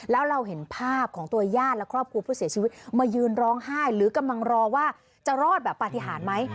แล้วเราเห็นภาพของตัวญาติและครอบครัวผู้เสียชีวิตมายืนร้องไห้หรือกำลังรอว่าจะรอดแบบปฏิหารไหม